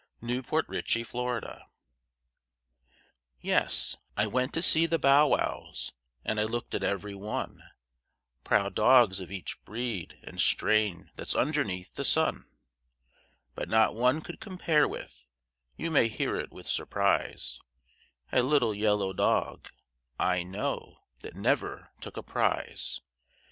S.E. KISER. THE BEST DOG Yes, I went to see the bow wows, and I looked at every one, Proud dogs of each breed and strain that's underneath the sun; But not one could compare with you may hear it with surprise A little yellow dog I know that never took a prize.